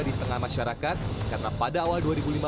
di tengah masyarakat karena pada awal dua ribu lima belas